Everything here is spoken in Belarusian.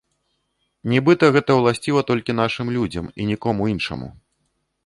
Нібыта гэта ўласціва толькі нашым людзям і нікому іншаму.